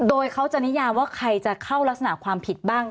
โดยเขาจะนิยามว่าใครจะเข้ารักษณะความผิดบ้าง